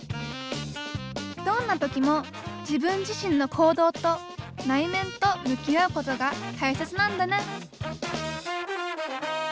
どんな時も自分自身の行動と内面と向き合うことが大切なんだね